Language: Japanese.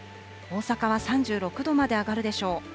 大阪は３６度まで上がるでしょう。